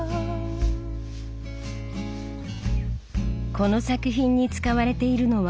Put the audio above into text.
この作品に使われているのは２０色。